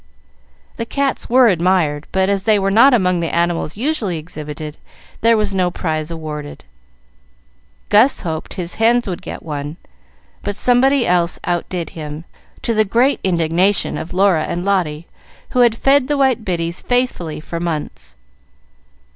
The cats were admired, but, as they were not among the animals usually exhibited, there was no prize awarded. Gus hoped his hens would get one; but somebody else outdid him, to the great indignation of Laura and Lotty, who had fed the white biddies faithfully for months.